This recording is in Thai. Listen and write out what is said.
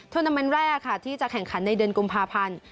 ทุนเตอร์เมนต์แรกที่จะแข่งขันในเดือนกุมภาพันธุ์